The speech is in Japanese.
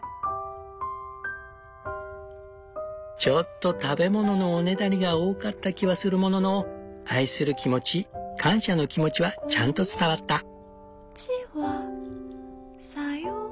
ちょっと食べ物のおねだりが多かった気はするものの愛する気持ち感謝の気持ちはちゃんと伝わった。